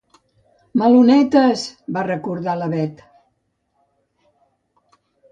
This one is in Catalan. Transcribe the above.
Melonettes! —va recordar la Bet.